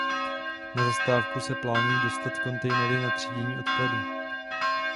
Na zastávku se plánují dodat kontejnery na třídění odpadu.